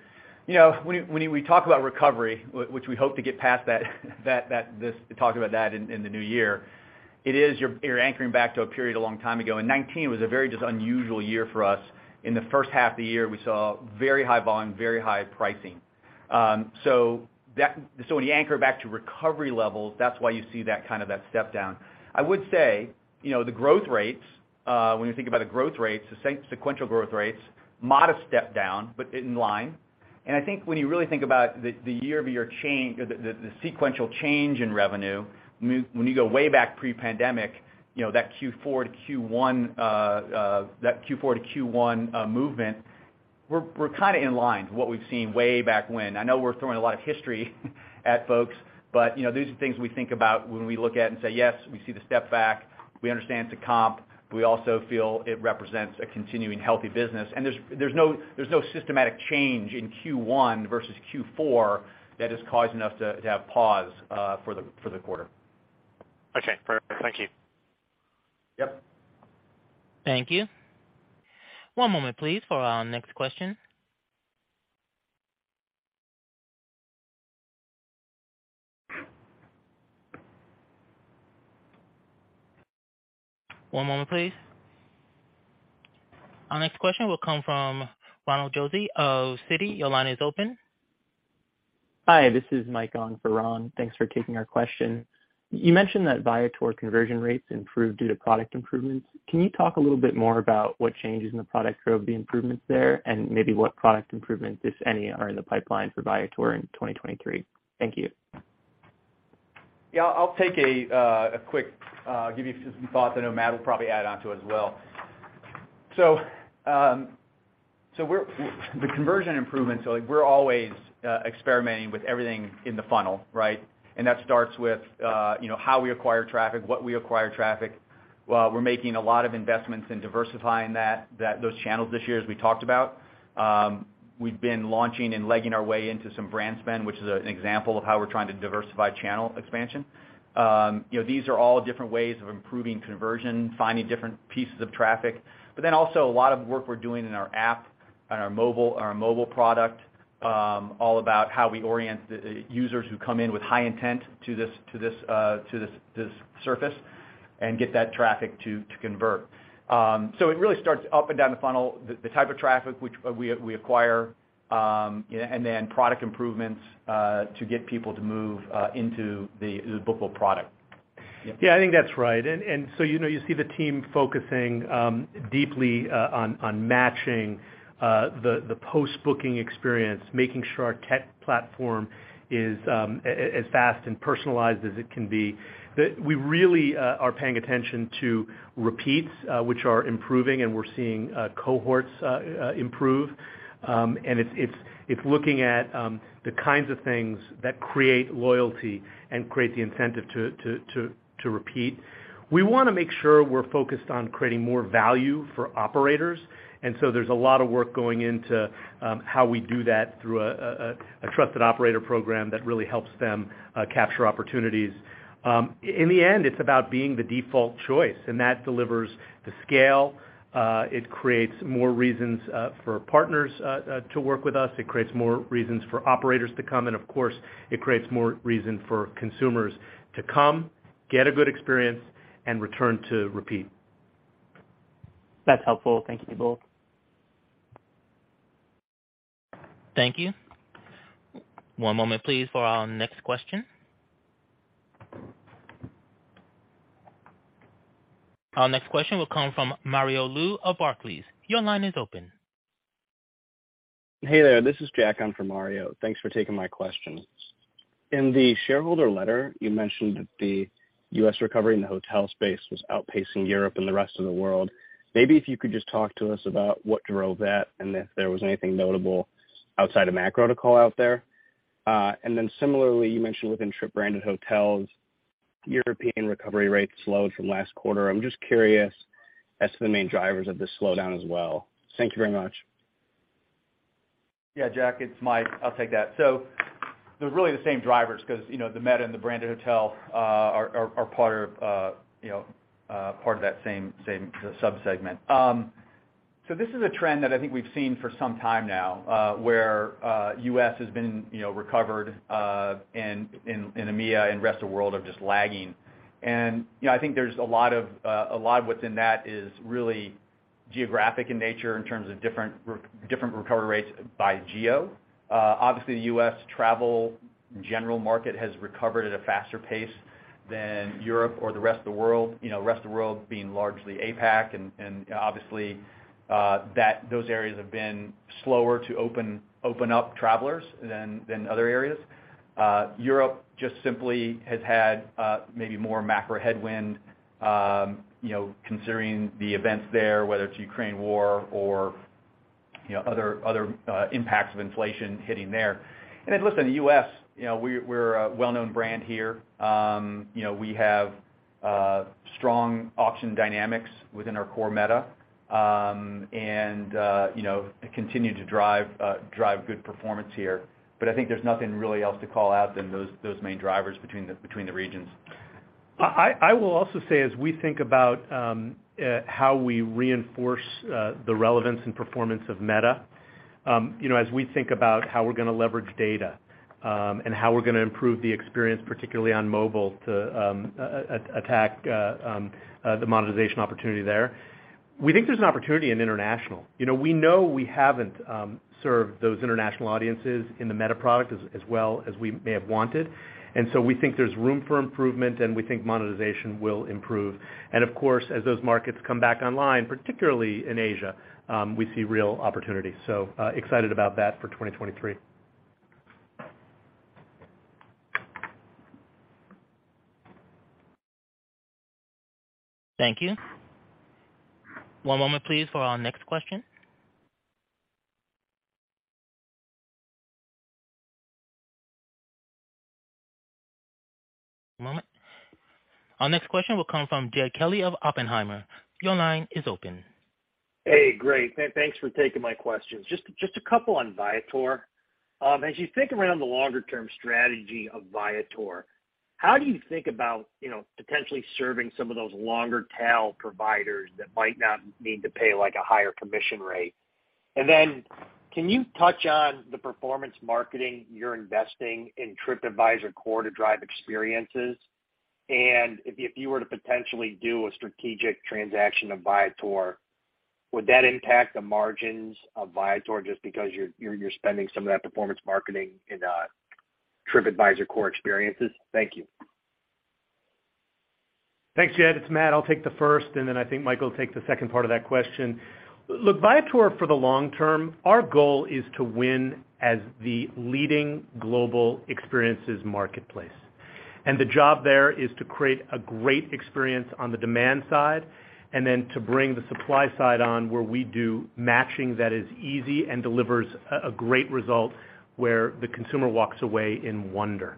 Speaker 4: When we talk about recovery, which we hope to get past that talk about that in the new year, it is you're anchoring back to a period a long time ago. 2019 was a very just unusual year for us. In the first half of the year, we saw very high volume, very high pricing. So when you anchor back to recovery levels, that's why you see that kind of step down. I would say, the growth rates, when you think about the growth rates, the same sequential growth rates, modest step down, but in line. I think when you really think about the year-over-year change, the sequential change in revenue, when you go way back pre-pandemic, you know, Q4 to Q1 movement, we're kind of in line to what we've seen way back when. I know we're throwing a lot of history at folks, but, you know, these are things we think about when we look at and say, yes, we see the step back. We understand it's a comp. We also feel it represents a continuing healthy business. There's no systematic change in Q1 versus Q4 that has caused enough to have pause for the quarter.
Speaker 8: Okay. Perfect. Thank you.
Speaker 4: Yep.
Speaker 1: Thank you. One moment, please, for our next question. One moment, please. Our next question will come from Ronald Josey of Citi. Your line is open.
Speaker 9: Hi, this is Mike on for Ron. Thanks for taking our question. You mentioned that Viator conversion rates improved due to product improvements. Can you talk a little bit more about what changes in the product drove the improvements there and maybe what product improvements, if any, are in the pipeline for Viator in 2023? Thank you.
Speaker 4: Yeah. I'll take a quick give you some thoughts. I know Matt will probably add on to it as well. The conversion improvements are like we're always experimenting with everything in the funnel, right? That starts with, you know, how we acquire traffic, what we acquire traffic. We're making a lot of investments in diversifying that those channels this year, as we talked about. We've been launching and legging our way into some brand spend, which is an example of how we're trying to diversify channel expansion. You know, these are all different ways of improving conversion, finding different pieces of traffic. Also a lot of work we're doing in our app and our mobile, our mobile product, all about how we orient the users who come in with high intent to this surface and get that traffic to convert. It really starts up and down the funnel, the type of traffic which we acquire, and then product improvements to get people to move into the bookable product.
Speaker 3: Yeah, I think that's right. you know, you see the team focusing deeply on matching the post-booking experience, making sure our tech platform is as fast and personalized as it can be. We really are paying attention to repeats, which are improving, and we're seeing cohorts improve. It's looking at the kinds of things that create loyalty and create the incentive to repeat. We want to make sure we're focused on creating more value for operators, there's a lot of work going into how we do that through a trusted operator program that really helps them capture opportunities. In the end, it's about being the default choice, and that delivers the scale, it creates more reasons for partners to work with us, it creates more reasons for operators to come, and of course, it creates more reason for consumers to come, get a good experience, and return to repeat.
Speaker 9: That's helpful. Thank you both.
Speaker 1: Thank you. One moment please for our next question. Our next question will come from Mario Lu of Barclays. Your line is open.
Speaker 10: Hey there, this is Jack on for Mario. Thanks for taking my questions. In the shareholder letter, you mentioned that the U.S. recovery in the hotel space was outpacing Europe and the rest of the world. Maybe if you could just talk to us about what drove that and if there was anything notable outside of macro to call out there. Then similarly, you mentioned within Tripadvisor-branded hotels, European recovery rates slowed from last quarter. I'm just curious as to the main drivers of this slowdown as well. Thank you very much.
Speaker 4: Yeah, Jack, it's Mike. I'll take that. They're really the same drivers 'cause, you know, the meta and the branded hotel are part of, you know, part of that same subsegment. This is a trend that I think we've seen for some time now, where U.S. has been, you know, recovered, and EMEA and rest of world are just lagging. You know, I think there's a lot of a lot within that is really geographic in nature in terms of different recovery rates by geo. Obviously, the U.S. travel general market has recovered at a faster pace than Europe or the rest of the world, you know, rest of the world being largely APAC, and obviously, those areas have been slower to open up travelers than other areas. Europe just simply has had maybe more macro headwind, you know, considering the events there, whether it's Ukraine War or, you know, other impacts of inflation hitting there. Listen, the U.S., you know, we're a well-known brand here. You know, we have strong auction dynamics within our hotel meta, and, you know, continue to drive good performance here. I think there's nothing really else to call out than main drivers between the regions.
Speaker 3: I will also say as we think about how we reinforce the relevance and performance of meta, you know, as we think about how we're going to leverage data and how we're going to improve the experience, particularly on mobile to attack the monetization opportunity there, we think there's an opportunity in international. You know, we know we haven't served those international audiences in the meta product as well as we may have wanted, and so we think there's room for improvement, and we think monetization will improve. Of course, as those markets come back online, particularly in Asia, we see real opportunities. Excited about that for 2023.
Speaker 1: Thank you. One moment please for our next question. One moment. Our next question will come from Jed Kelly of Oppenheimer. Your line is open.
Speaker 11: Hey, great. Thanks for taking my questions. Just a couple on Viator. As you think around the longer term strategy of Viator, how do you think about, you know, potentially serving some of those longer tail providers that might not need to pay, like, a higher commission rate? Then can you touch on the performance marketing you're investing in Tripadvisor Core to drive experiences? If you were to potentially do a strategic transaction of Viator, would that impact the margins of Viator just because you're spending some of that performance marketing in Tripadvisor Core experiences? Thank you.
Speaker 3: Thanks, Jed. It's Matt. I'll take the first, and then I think Mike will take the second part of that question. Look, Viator for the long term, our goal is to win as the leading global experiences marketplace. The job there is to create a great experience on the demand side, and then to bring the supply side on where we do matching that is easy and delivers a great result where the consumer walks away in wonder.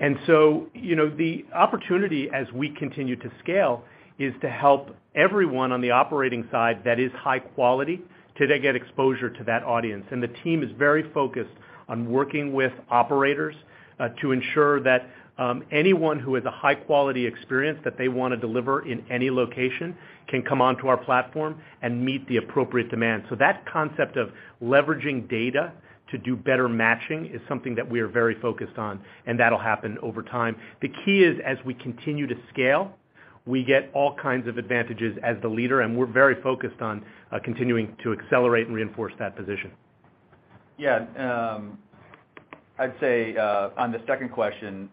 Speaker 3: You know, the opportunity as we continue to scale is to help everyone on the operating side that is high quality till they get exposure to that audience. The team is very focused on working with operators to ensure that anyone who has a high-quality experience that they want to deliver in any location can come onto our platform and meet the appropriate demand. That concept of leveraging data to do better matching is something that we are very focused on, and that'll happen over time. The key is, as we continue to scale, we get all kinds of advantages as the leader, and we're very focused on continuing to accelerate and reinforce that position.
Speaker 4: I'd say on the second question,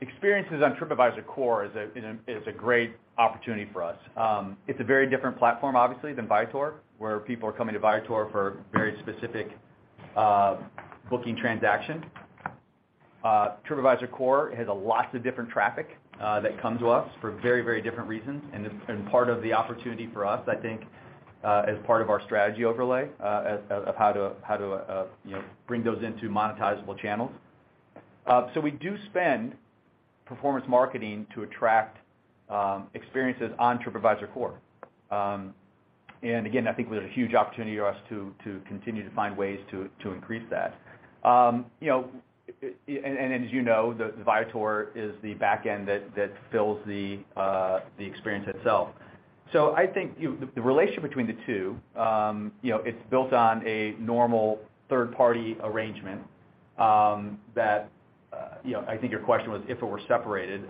Speaker 4: Experiences on Tripadvisor Core is a great opportunity for us. It's a very different platform, obviously, than Viator, where people are coming to Viator for very specific booking transaction. Tripadvisor Core has lots of different traffic that come to us for very different reasons. It's been part of the opportunity for us, I think, as part of our strategy overlay, as of how to, you know, bring those into monetizable channels. We do spend performance marketing to attract experiences on Tripadvisor Core. Again, I think there's a huge opportunity for us to continue to find ways to increase that. you know, and as you know, the Viator is the back end that fills the experience itself. I think the relationship between the two, you know, it's built on a normal third-party arrangement, that, you know, I think your question was if it were separated,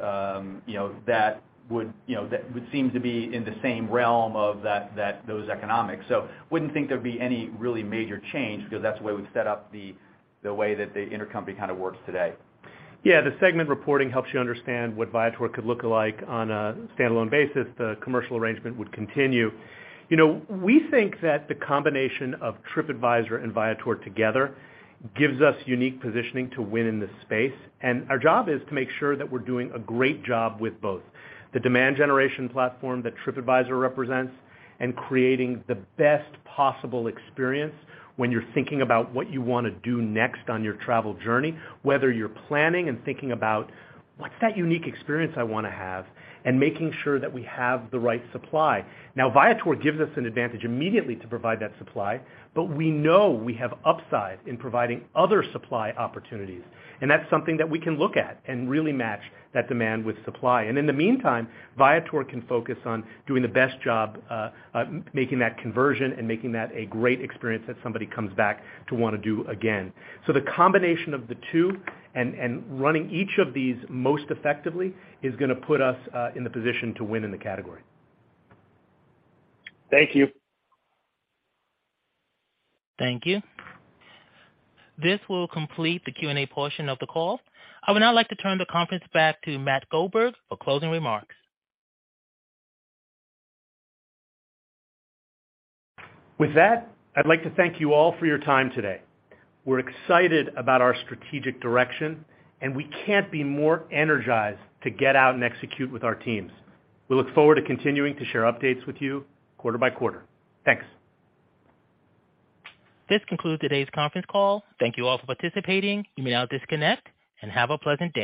Speaker 4: you know, that would, you know, that would seem to be in the same realm of that those economics. Wouldn't think there'd be any really major change because that's the way we've set up the way that the intercompany kind of works today.
Speaker 3: Yeah. The segment reporting helps you understand what Viator could look like on a standalone basis. The commercial arrangement would continue. You know, we think that the combination of Tripadvisor and Viator together gives us unique positioning to win in this space, and our job is to make sure that we're doing a great job with both. The demand generation platform that Tripadvisor represents and creating the best possible experience when you're thinking about what you want to do next on your travel journey, whether you're planning and thinking about what's that unique experience I want to have, and making sure that we have the right supply. Now, Viator gives us an advantage immediately to provide that supply, but we know we have upside in providing other supply opportunities, and that's something that we can look at and really match that demand with supply. In the meantime, Viator can focus on doing the best job, making that conversion and making that a great experience that somebody comes back to want to do again. The combination of the two and running each of these most effectively is going to put us in the position to win in the category.
Speaker 11: Thank you.
Speaker 1: Thank you. This will complete the Q&A portion of the call. I would now like to turn the conference back to Matt Goldberg for closing remarks.
Speaker 3: With that, I'd like to thank you all for your time today. We're excited about our strategic direction, and we can't be more energized to get out and execute with our teams. We look forward to continuing to share updates with you quarter by quarter. Thanks.
Speaker 1: This concludes today's conference call. Thank you all for participating. You may now disconnect and have a pleasant day.